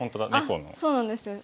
そうなんですよ。